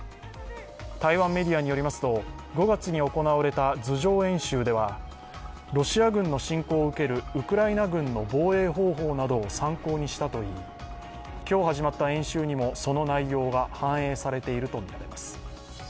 台湾メディアによりますと５月に行われた図上演習では、ロシア軍の侵攻を受けるウクライナ軍の防衛方法などを参考にしたといい、今日始まった演習にもその内容が反映されているとみられています。